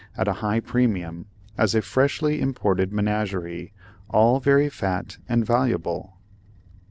at a high premium, as a freshly imported menagerie, all very fat and valuable.